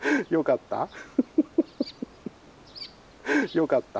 よかった？